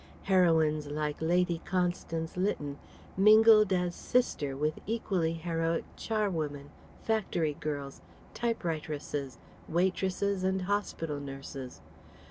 Heroines like Lady Constance Lytton mingled as sister with equally heroic charwomen, factory girls, typewriteresses, waitresses and hospital nurses.